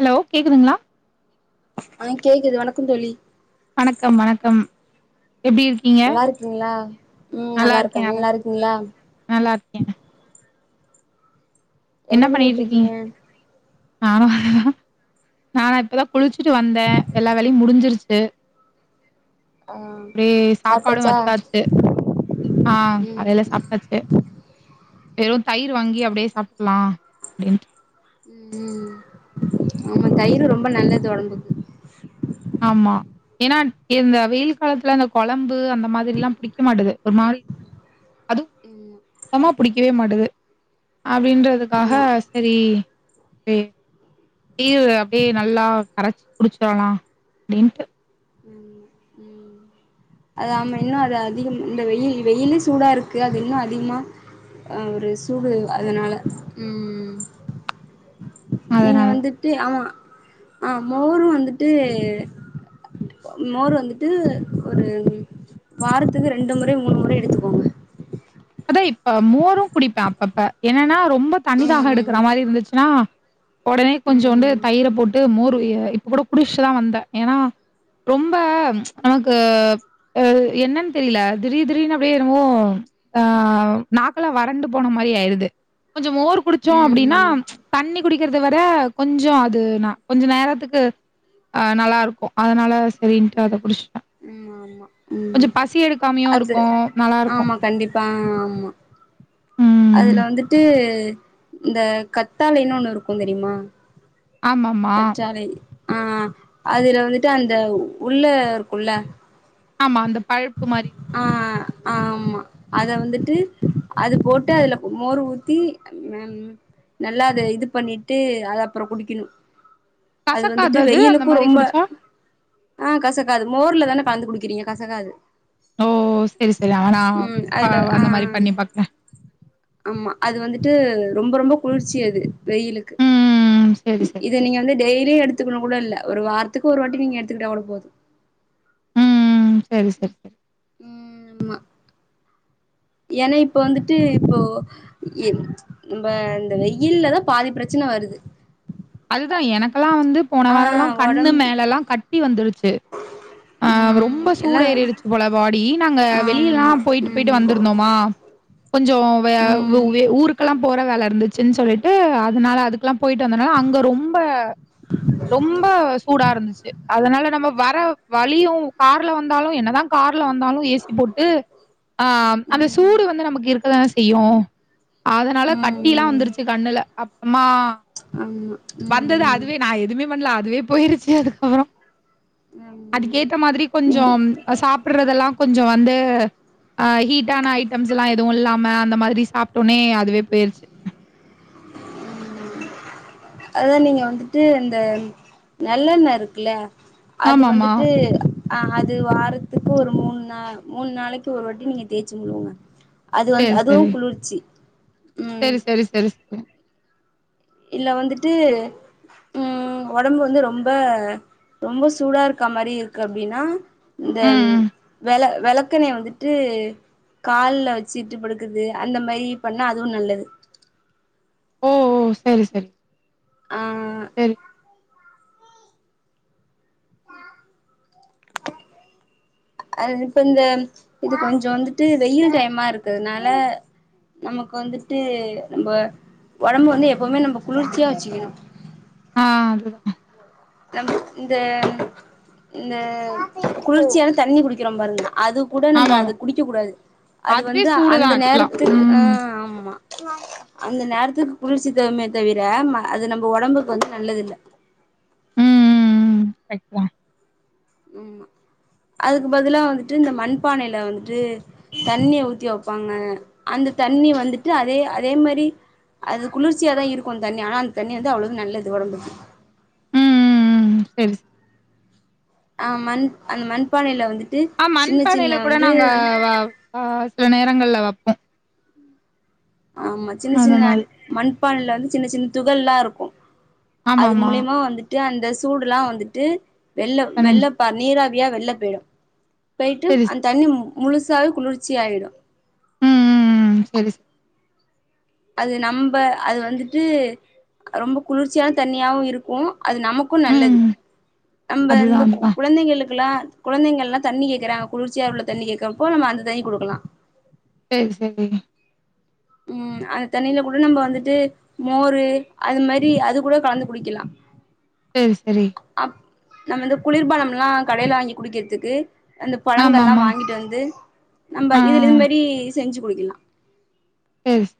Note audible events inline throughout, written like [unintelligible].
Hello கேக்குதுங்ளா ம் கேக்குது வணக்கம் தோளி க்கம் வணக்கம் எப்டி இருக்கீங்க? நல்லாருக்கீங்ளா ம் நல்லா இருக்கே நல்லாருக்கே நல்லா நீல்லாருக்கீங்ளா நல்லா இருக்கே. என்ன பண்ணீட்ருக்கீங்க நானு நானா இப்பதா குளிச்சுட்டு வந்தே எல்லா வேலயு முடிஞ்சிருச்சு ஆ ப்டே சாப்பாடு சாப்ட்டாச்சா வச்சாச்சு ஆ ம் காலைல சாப்ட்டாச்சு வெறு தயிரு வாங்கி அப்டே சாப் க்லா அப்டீன்டு ம் ம் ஆமா தயிரு ரொம்ப நல்லது ஒடம்புக்கு ஏனாட் இந்த வெயில் காலத்ல அந்த கொலம் பு அந்த மாதிரில்லா புடிக்க மாட்டது ஒரு மாரி அதுவு ம் தமா புடிக்கவே மாட் து அப்டின்றதுக்காக ஆமா செரி வே [unintelligible] அப்டே நல்லா கரச்சு குடிச்டல்லா நின்டு ம் ம் அது ஆம இன்னு அது அதிகோ இந்த வெயில் வெயிலு சூடா இருக்கு அது இன்னு அதிகமா ஒரு சூடு அதனால உம் நீங்க அதனால வந்துட்டு ஆமா ஆ மோருவந்துட்டு மோர்வந்துட்டு ஒரு வாரத்துக்கு ரெண்டுமுற மூணுமுற எடுத்துக்கோங்க அதாயிப்ப மோருகுடிப்ப அப்பப்ப என்னன்னா ரொம்ப தண்ணி தாக எடுக்குறமாரி யிருந்துச்சுன்னா உடனே கொஞ்சோண்டு தயிரபோட்டு மோர் இப்பகூட குடிஸ்டுதா வந்த ஏன்னா ரொம்ப ச்ச் நமக்கு அ என்னன்னு தெரில திடீர் திடீர்னு அப்டியே என்னமோ ஆ நாக்கெல்லா வறண்டு போனமாரி ஆயிடுது கொஞ்ச மோர்குடிச்சோ அப்டினா ம்ச் தண்ணி குடிக்கிறதுவர கொஞ்சோ அது நா கொஞ்சநேரத்துக்கு ஆஹ நல்லா இருக்கும் அதனால செரின்ட்டு அத குடிச் கொஞ்சோ ம் பசி எடுக்காமாயு இருக்கும் நல்லா இருக்கும் உம் ஆமா அதுல வந்துட்டு இந்த கத்தாலைன்னு ஒண்ணு இருக்கும் தெரியுமா ஆமாமா. பற்றாழை ஆஹ் அதுல வந்துட்டு அந்த உள்ளருக் குள்ள ஆமா அந்த பழப்புமாரி ஆம்மா அத வந்துட்டு அதுபோட்டு அதுல மோர் ஊத்தி உம் நல்லா அத இதுபண்ணிட்டு அது அப்றம் குடிக்கிணும் கசக்காது அதுவந்துட்டு அது அந்த வெய்யிலுக்கு மாரி ரொம்ப குடிச்சா? ஆஹ் கசக்காது மோர்லதான கலந்து குடிக்குறீங்க கசகாது ஓ ஓ செரி செரி அவன அதுல [unintelligible] ஆ அந்தமாரி பண்ணிபாக்குறே ஆமா அது வந்துட்டு ரொம்ப ரொம்ப குளிர்ச்சி அது வெய்யிலுக்கு ம். இ சரி, சரி, இத சரி. நீங்க வந்து டெய்லியு எடுத் எடுத்துக்ணு கூட இல்ல ஒரு வாரத்துக்கு ஒரு வாட்டி நீங்க எடுத்துக்கிட்டா கூட போதும் உம் செரி செரி செரி உம் ஆமா ஏன்னாயிப்ப வந்துட்டு இப்போ எ நம்ம இந்த வெய்யில்லதா பாதி ப்ர ச்சனை வருது அதுதான் எனக்கெல்லாம் வந்து போன வாரலாம் ஆ கண்ணு ஒடம் மேலல்லாம் கட்டி வந்துருச்சு ஆஹ் ரொம்ப ம் எல்லா சூடேருறிடுச்சு போல பாடி நாங்க ஆமா வெளியிலாம் போய்ட்டு ம் போய்ட்டு வந்துருந்தோமா கொஞ்சோ வே ஊ ம் வே ஊருக்கெல்லா போற வேலயிருந்துச்சுன் சொல்லிட்டு அதனால அதுக்கல்லாம் போய்ட்டு வந்தனால தோ ரொம்ப ரொம்ப சூடா இருந்துச்சு அதனால நம்ம வர வழியும் கார்ல வந்தாலு என்னதா கா ர்ல வந்தாலும் ஏ சி போட்டு ஆஹ் அந்த ம் சூடு வந்து நமக்கு இருக்கதான அய்யோ அதனால ம் கட்டிலா ம் வந்துருச்சு கண்ணுல அப் அம்மா ஆமா வந்தது ம் அதுவே நா எதுமே பண்ணல அதுவே போயிருச்சு அதுக்கப்பறோ ம் அதுக்கேத்த மாத்ரி கொஞ்சோ நீங்க ஆ சாப்படுறதெல்லா கொஞ்ச வந்து அ ஹீட்டான ஐட்டம்ஸ்யெல்லா எதுவும் இல்லாம அந்த மாத்ரி சாப்ட்டோனே அதுவே போய்ருச்சு அதா நீங்க வந்துட்டு இந்த நல்லெண்ண இருக்குல்ல அது ஆமாமா. வந்துட்டு ஆ அது வாரத்துக்கு ஒரு மூணு நா மூணு நாளைக்கி ஒரு வாட்டி நீங்க தேச்சு முழுவுங்க அது வந்து அதுவு குளிர்ச்சி ம் சேரி சேரி சேரி சேரி இல்ல வந்துட்டு ம் ஒடம்பு வந்து ரொம்ப ரொம்ப சூடா இருக்காமாரி இருக்கு அப்டின்னா இந்த ம், ம். வெள வெளக்கெண்ணய வந்துட்டு கால்ல வச்சிட்டு படுக்றது அந்த மாரி பண்ணா அதுவு நல்லது ஓ ஓ செரி செரி ஆ அ இப்ப இந்த இது கொஞ்சோ வந்துட்டு வெயில் டைமா இருக்கதுனால நமக்கு வந்துட்டு நம்ம ஒடம்ப வந்து எப்பமே நம்ம குளிர்ச்சியா வச்சுக்கணு ஆ அதுதா நம் இந்த இந்த குளிர்ச்சியால தண்ணி குடிக்கிறோம் பாருங்க அது கூட நம்ம ஆமாமா. அது குடிக்க கூடாது அது அதுவே வந்து சூடு தான் அந்த ஆக்சுவலா. நேரத்துக்கு ஆ ம். ஆமா அந்த நேரத்துக்கு குளிர்ச்சி தருமே தவிர அது நம்ம ஒடம்புக்கு வந்து நல்லது இல்ல ம் ம் ம் கரெட்டுதா ம் அதுக்கு பதுலா வந்துட்டு இந்த மண்பானையில வந்துட்டு தண்ணிய ஊத்தி வைப்பாங்க அந்த தண்ணி வந்துட்டு அதே அதே மாரி அது குளிர்ச்சியாதா இருக்கு தண்ணி ஆனா அந்த தண்ணி வந்து அவ்வளவு நல்லது ஒடம்புக்கு ம், ம், ம். சரி, சரி. ஆ மண் அந்த மண்பானையில வந்து ஆ சின்ன சின்ன மண்பானையில கூட நாங்க ஆ சில நேரங்கள்ல ஆமா சின்ன அந்த சின்ன மாரி மண்பானைல வந்து சின்ன சின்ன துகள்லா இருக்கு ஆமா அது ஆமா மூலியமா வந்துட் டு அந்த சூடுல்லா வந்துட்டு வெள்ள பனஞ்சு வெள்ளப்பா நீரா ஃப்ரீயா வெள்ள பேயிடும் பேய்ட்டு சரி ஸ் அந்த தண்ணி முழுசாவே குளிர்ச்சி ஆயிரு ம் ம் ம் செரி அது நம்ப அது வந்துட்டு ரொம்ப குளிர்ச்சியான தண்ணீயாவு இருக்கு அது நமக்கு நல்லது ம் நம்ப அதுதா இந்த கு அதுதா குழந்தைகளு க்குல்லா குழந்தைங்கல்லா தண்ணீ கேக்குறாங்க குளிர்ச்சியா உள்ள தண்ணீ கேக்றப்போ நம்ப அந்த தண்ணீ குடுக்கலா செரி செரி ம் அந்த தண்ணீல கூட நம்ப வந்துட்டு மோரு அது மாரி அது கூட கலந்து குடிக்கலா செரி செரி அப் நம்ம இந்த குளிர்பானம்லாம் கடையில வாங்கி குடிக்றதுக்கு அந்த ஆமா பழங்கள்லாம் ஆமா வாங்கிட்டு வந்து ஆ நம்ப இதுல இது மாரி செஞ்சு குடிக்கலாம் எஸ்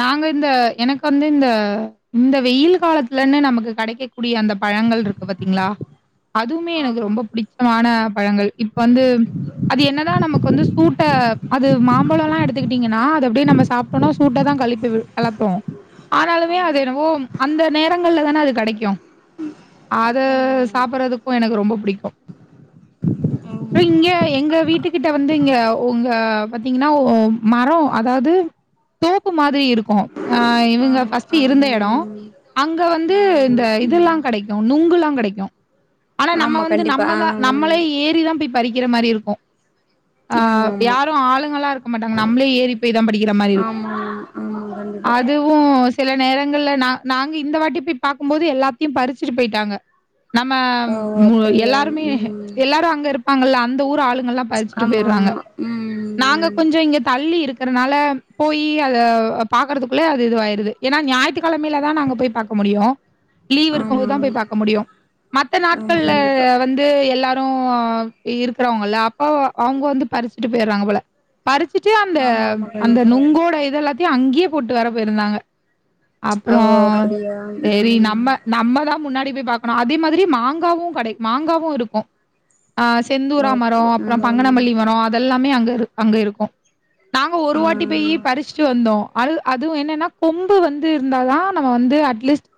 நாங்க இந்த எனக்கு வந்து இந்த இந்த வெயில் காலத்துலன்னு நமக்கு கெடைக்கக்கூடிய அந்த பழங்கள் இருக்கு பாத்தீங்களா அதுமே எனக்கு ஆமா ரொம்ப பிடிச்சமான பழங்கள் இப்ப வந்து அது என்னதான் நமக்கு வந்து சூட்ட அது மாம்பழம்லாம் எடுத்துக்கிட்டீங்கன்னா அத அப்டியே நம்ம சாப்டோம்னா சூட்ட தான் கழிப்பி விடும் கழப்பும் ஆனாலுமே அது ஆமா என்னவோ அந்த நேரங்கள்ல தான அது கெடைக்கும் அத ஆமா ஆமா சாப்பறதுக்கும் எனக்கு ரொம்ப பிடிக்கும் ஆமா இங்க எங்க வீட்டு கிட்ட வந்து இங்க ஒங்க பாத்தீங்கன்னா ஓ மரம் அதாவது தோ ப்பு மாரி இருக் கும் அ இவுங்க ஆமா ஃபர்ஸ்ட் இருந்த எடம் ஆம் அங்க வந்து ஆமா இந்த ம் இதெல்லாம் கெடைக்கும் நுங்குல்லாம் கெடைக் [unintelligible] ஆனா நம்ம ஆமா வந்து கண்டிப்பா நம்மதான் ஆம் நம்மளே ஏறிதான் பெய் பறிக்கிற மாரி இருக்கும் ஆஹ் ஆமா ஆமா யாரும் ஆளுங்களா இருக்க மாட்டாங்க நம்மளே ஏறி பெய் தான் பறிக்கிற மாரி இருக்கும் ஆமா ஆமா ஆமா கண்டிப்பா அதுவும் சில நேரங்கள்ல நா நாங்க இந்த வாட்டி பெய் பாக்கும்போது எல்லாத்தையும் பறிச்சுட்டு பெய்டாங்க நம்ம ஓ மு அப்படியா எல்லாருமே ம் எல்லாரும் அங்க இருப் பாங்களா அந்த ஊர் ஆளு ங்கல்லாம் பறிச்சுட்டு ஆமா போயிறாங்க ஆமா நாங்க ம் கொஞ்சம் இங்க தள்ளி இருக் இருக்கறனால போயி அத பாக்கறதுக்குள்ள அது இதுவாயிருது ஏனா ஞாயித்துக்கெழமையில தான் நாங்க போய் பாக்க முடியும் லீவ் இருக்கும் ஆமா போதான் போய் பாக்க முடியும் மத்த ஆமா ஆமா நாட்கள்ல கண்டிப்பா வந்து எல்லா இருக்கிறவங்க இருக்கறவங்கல்ல அப்போ அவுங்க வந்து பறிச்சுட்டு போயிறாங்க போல பறிச்சுட்டு அந்த ஆமா ஆமா அந்த கண்டிப்பா நுங்கோட பாதி அங்கேயே போட்டு வர போயிருந்தாங்க அப்றோ ஓ அப்படியா சேரி ம் நம்ம நம்மதா முன்னாடி போய் பாக்கனு அதே மாதிரி மாங்காவு கடை மாங்காவு இருக்கு ஆஹ் ஓ செந்தூரா மரோ அப்படி அப்ற ம் பங்கனமள்ளி மரோ அதெல்லாமே அங்க அங்க இருக்கோ நாங்க ஒரு ஆ வாட்டி போயி பரிட் இருந்தோ அ அதுவு என்னன்னா கொம்பு வந்து இருந்தா தா நம்ம வந்து அட்லீஸ்ட்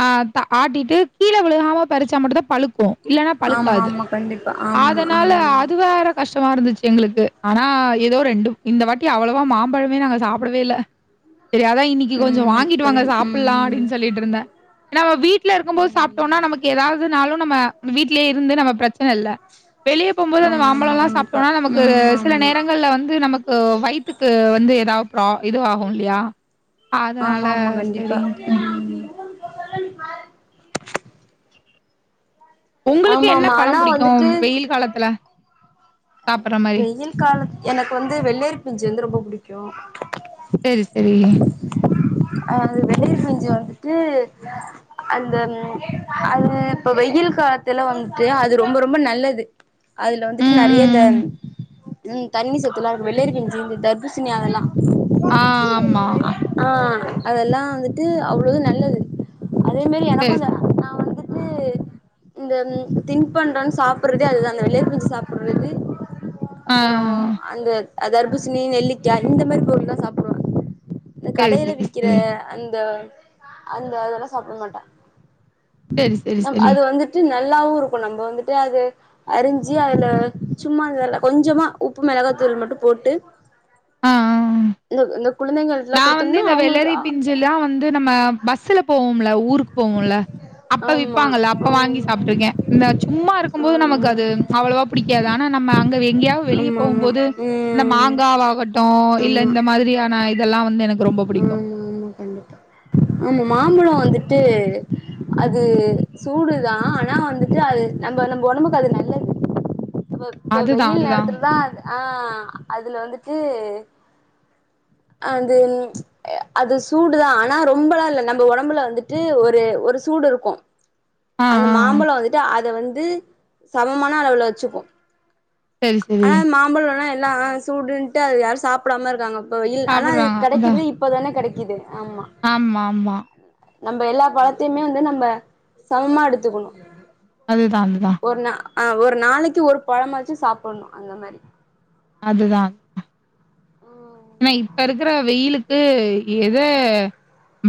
ஆஹ் ஆட்டிட்டு கீழ விழுகாம பறிச்சா மட்டுந்தா பழுக்கு இல்லனா ஆமா பழுக்காது ஆமா கண்டிப்பா ஆமா அதனால ம் அது வேற கஷ் இருந்துச்சு எங்களுக்கு ஆனா ஏதோ ரெண்டு இந்த வாட்டி அவ்வளவா மாம்பழமே நாங்க சாப் போடவேல்ல சரி அதா இன்னைக்கு கொஞ்ச ம் வாங்கிட்டு அப்படி வாங்க ம் சாப்பலா ம் அப்படின்னு சொல்லிட்ருந்தே நம்ம வீட் டுல இருக்கு போது ம் சாப்டோனா நமக்கு ஏதாவ் எதுனாலு நம்ம வீட்லியே இருந்து நம்ம ப்ரச் இல்ல வெளியே போகுபோது அந்த ஆமா ஆமா மாம்பழம்ல்லா கண்டிப்பா சாப்ட்டோனா நமக்கு ம் சில ஆமா நேரங்கல்ல வந்து நமக்கு வயித்துக்கு வந்து ஏதாது அ இது ஆகு இல்லையா அதனால ஆமா ஆமா கண்டிப்பா சரின்ட்டு. உம் [unintelligible] உங்களுக்கு என்ன பழம் புடிக்கு வெயில் காலத்துல சாப்பட்ற மாரி? வெய்யில் காலத் எனக்கு வந்து வெள்ளேரி பிஞ்சு வந்து ரொம்ப புடிக்கு சரி சரி அஹ் அது வெள்ளர் பிஞ்சி வந்துட்டு அந்த ம் அது இப்ப வெய்யில் காலத்துல வந்துட்டு அது ரொம்ப ரொம்ப நல்லது அதுல வந்துட்டு நறைய இந்த ம். தண்ணி சத்து எல்லா [unintelligible] வெள்ளரி பிஞ்சு இந்த தர்பூசணி அதெல்லா ஆஹ் ஆமா ஆ அதெல்லா வந்துட்டு அவ்ளோது நல்லது அதே மாரி எனக்கு சரி, சரி. [unintelligible] நா வந்து து இந்த தின் பண்ணறோன்னு சாப்றது அதுதா அந்த வெளியே பச்சு சாப்புறது ஆ. அப்றோ அந்த அ தர்பூசணி நெல்லிக்கா இந்த மாரி பொருள்லா [unintelligible] இந்த சரி, கடையில சரி, விக்கிற சரி. அந்த அந்த அதெல்லா சாப்பிட மாட்டே செரி செரி நம் செரி அது வந்துட்டு நல்லாவு இருக்கு நம்ம வந்துட்டு அது அறிஞ்சு அதுல சும்மா அந்தல கொஞ்சமா உப்பு மொளகாத்தூள் மட்டு போட்டு ஆ, ஆ. [unintelligible] குழந்தைகள் நான் வந்து இந்த வெள்ளரி பிஞ்சுலாம் வந்து நம்ம பஸ்ல போவோம்ல ஊருக்கு போவோம்ல அப்ப ஆமா விப்பாங்கல்ல ஆ அப்ப வாங்கி சாப்டுருக்கே இந்த சும்மா இருக்கும் போது நமக்கு ஆமா அது அவளவா புடிக்காது ஆனா நம்ம மா அங்க எங்கேயாவுது வெளிய போகும் ஆமா ஆமா போது இந்த ம் மாங்காவாகட்டும் இல்ல ஆமா இந்த மாதிரியான அ இதெல்லாம் ஆமா ஆமா கண்டிப்பா ஆமா மாம்பழோ வந்துட்டு அது சூடுதா ஆனா வந்துட்டு அது நம்ம நம்ம ஒடம்புக்கு அது நல்லது ப்ப இப்ப அதுதா வெயில் அதுதா நேரத்தில்ல தா அது ஆஹ் அதுல வந்துட்டு அது அது சூடுதா ஆனா ரொம்பலாம் இல்ல நம்ம ஒடம்புல வந்துட்டு ஒரு ஒரு சூடு இருக்கும் ஆ அந்த ஆ ஆ மாம்பழோ வந்திட்டு அத வந் து சமமான அளவுல வச்சுக்கூ சரி சரி ஆனா மாம்பழோல்லா எல்லா ஸ் ஸுடுண்ட்டு அது யாரூ சாப்டாம இருக்காங்கப் கோயில் ஆன அது கெடைக்றதே இப்பதானே கெடைக் இது ஆமாமா நம்ம எல்லா பழத்தைமே வந்து நம்ம சமமா எடுத்துக்கணு அதுதா அதுதா ஒரு நா ஆ ஒரு நாளைக்கு ஒரு பழமாச்சு சாப் போட்ணு அந்த மாரி அதுதா ஆமா எனா இப்ப இருக்குற வெயிலுக்கு எத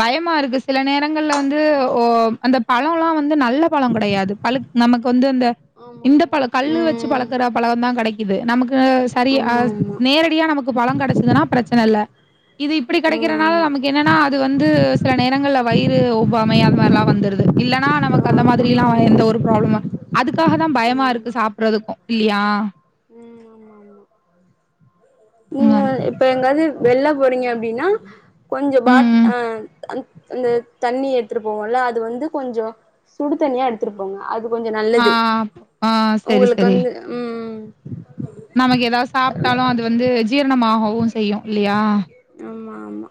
பயமா இருக்கு சில நேரங்கள்ல வந்து ஒ அந்த பழோலா வ ந்து நல்ல பழ கெடையாது பழுக் நமக்கு வந்து அந்த ஆமா இந்த பழ கல்லு வச்சு ம் பழக்கற பழந்தா கெடைக்கிது நமக்கு சரிய ஆ ஆமா ஆமா நேரடியா நமக்கு பழம் கெடச்சிதுன்னா பிரச்சன இல்ல இது இப்டி கெடைக்கறனால ம் நமக்கு என்னன்னா அது வந்து சில நேரங்கள்ல வயிறு ஒவ்வாமை அது மார்லா வந்திருது இல்லன்னா நமக்கு ஆமா அந்த ஆமா மாதிரியிலா வ ம் எந்த ஒருப் பராப்ளம்மலா அதுக் காக தா ஆமா பயமா இருக்கு சாப்றதுக்கூ இல்லியா உம் ஆமா ஆமா ம் நீங்க அது இப்ப எங்காது வெள்ள போறீங்க அப்டினா கொஞ்ச ம் பாட் ம். ஆ அந் அந்த தண்ணி எடுத்திட்டு போவோல அது வந்து கொஞ்சோ சுடு தண்ணியா எடுத்திட்டு போங்க அது கொஞ்சோ ஆ நல்லது ஆ சரி உங்களுக்கு சரி. வந்து உம் நமக்கு ஏதாது சாப்ட்டாலூ அது வந்து ஜீரணமாகவூ செய்யூ இல்லியா ஆமா ஆமா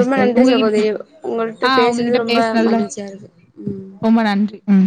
ரொம்ப நன்றி உங்ககிட்ட சகோதரி உங்கள்ட்ட ஆ உங்ககிட்ட பேசுனது ரொம்ப பேசுனதுல மகிழ்ச்சியா இருக்கு உம் ரொம்ப நன்றி. ம்.